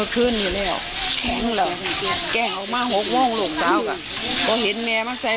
ตอนเศรษฐ์นอนแพลอยู่เนี้ยรันหมุ่งเลย